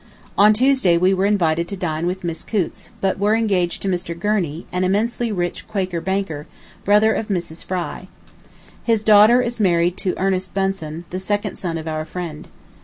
... On Tuesday we were invited to dine with Miss Coutts, but were engaged to Mr. Gurney, an immensely rich Quaker banker, brother of Mrs. Fry. His daughter is married to Ernest Bunsen, the second son of our friend.